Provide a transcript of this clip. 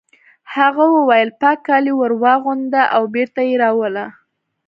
هغه وویل پاک کالي ور واغونده او بېرته یې راوله